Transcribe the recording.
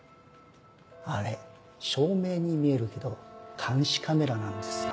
あれ照明に見えるけど監視カメラなんですよ。